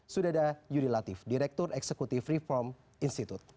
sudada yudi latif direktur eksekutif reform institut